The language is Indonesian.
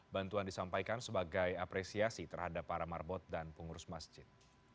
bantuan disampaikan sebagai apresiasi terhadap para marbot dan pengurus masjid